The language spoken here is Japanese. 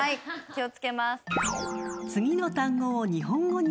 気を付けます。